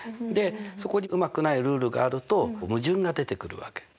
でそこにうまくないルールがあると矛盾が出てくるわけ。